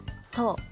そう。